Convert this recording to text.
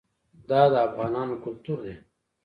دا د افغانانو کلتور دی.